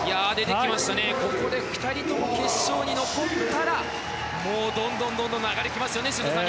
ここで２人とも決勝に残ったらもう、どんどん流れが来ますよね修造さん。